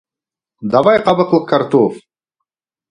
Давай ҡабыҡлы картуф!